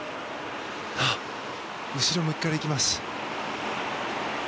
後ろ向きから行きます。